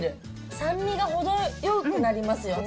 酸味が程よくなりますよね。